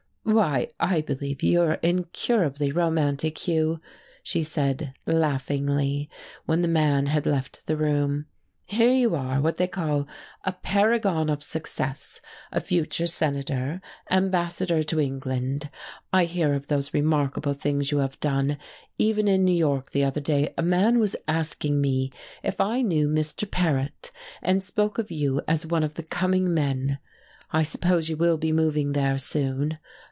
"Why, I believe you're incurably romantic, Hugh," she said laughingly, when the men had left the room. "Here you are, what they call a paragon of success, a future senator, Ambassador to England. I hear of those remarkable things you have done even in New York the other day a man was asking me if I knew Mr. Paret, and spoke of you as one of the coming men. I suppose you will be moving there, soon.